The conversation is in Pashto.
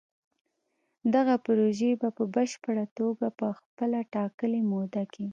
دغه پروژې به په پشپړه توګه په خپله ټاکلې موده کې